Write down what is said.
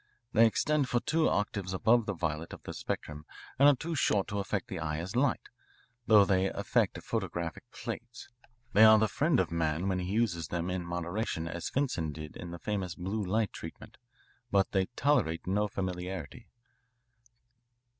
They extend for two octaves above the violet of the spectrum and are too short to affect the eye as light, although they affect photographic plates. They are the friend of man when he uses them in moderation as Finsen did in the famous blue light treatment. But they tolerate no familiarity.